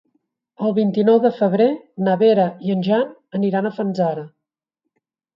El vint-i-nou de febrer na Vera i en Jan aniran a Fanzara.